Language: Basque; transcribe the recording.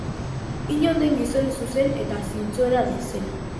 Inon den gizon zuzen eta zintzoena zen.